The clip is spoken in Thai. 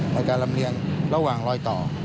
ในการลำเลียงระหว่างรอยต่อ